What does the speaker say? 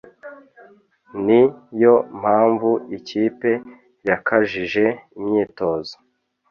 ni yo mpamvu ikipe yakajije imyitozo